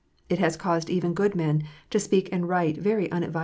It has caused even good men to speak and write very unadvisedly.